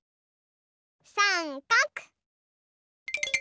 さんかく！